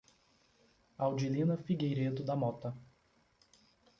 Audilina Figueiredo da Mota